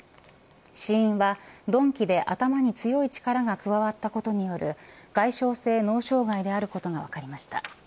死因は鈍器で頭に強い力が加わったことによる外傷性脳障害であることが分かりました。